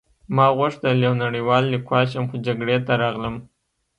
ما غوښتل یو نړۍوال لیکوال شم خو جګړې ته راغلم